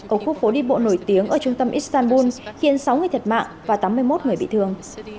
ở khu phố đi bộ nổi tiếng ở trung tâm istanbul khiến sáu người thiệt mạng và tám mươi một người bị thương